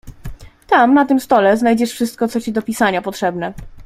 "Tam, na tym stole znajdziesz wszystko, co ci do pisania potrzebne."